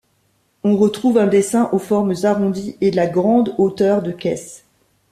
On retrouve un dessin aux formes arrondies et la grande hauteur de caisse.